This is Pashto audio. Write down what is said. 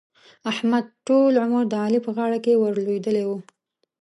احمد؛ ټول عمر د علي په غاړه کې ور لوېدلی وو.